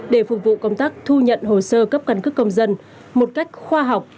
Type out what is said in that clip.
để phục vụ công tác thu nhận hồ sơ cấp căn cước công dân một cách khoa học